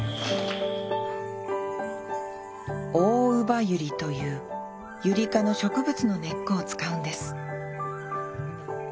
オオウバユリというユリ科の植物の根っこを使うんです